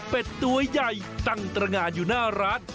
เป็นตัวใหญ่ตั้งตรงานอยู่หน้าร้าน